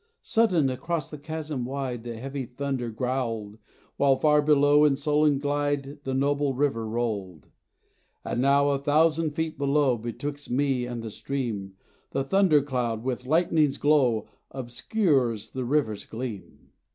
Sudden, across the chasm wide The heavy thunder growled, While far below in sullen glide The noble river rolled. And now a thousand feet below, Betwixt me and the stream, The thunder cloud, with lightning's glow, Obscures the river's gleam.